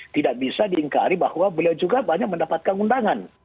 tidak bisa diingkari bahwa beliau juga banyak mendapatkan undangan